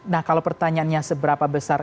nah kalau pertanyaannya seberapa besar